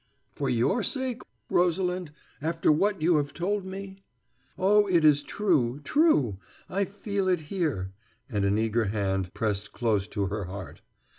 "For your sake? Rosalind? After what you have told me?" "Oh, it is true, true! I feel it here," and an eager hand pressed close to her heart.